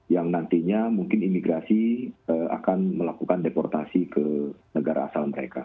yang nantinya mungkin imigrasi akan melakukan deportasi ke negara